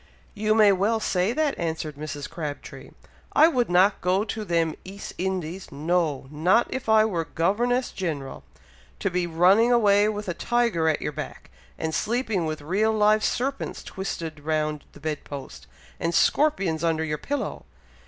"You may well say that," answered Mrs. Crabtree. "I would not go to them East Indies no! not if I were Governess General, to be running away with a tiger at your back, and sleeping with real live serpents twisted round the bed post, and scorpions under your pillow!